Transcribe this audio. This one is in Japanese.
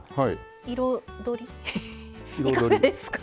彩りいかがですか？